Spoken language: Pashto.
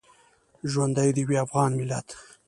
ژوندی دې وي افغان ملت؟